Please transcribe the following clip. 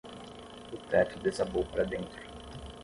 O teto desabou para dentro.